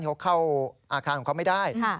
เขาเข้าอาคารของเขาไม่ได้